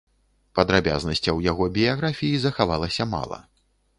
Падрабязнасцяў яго біяграфіі захавалася мала.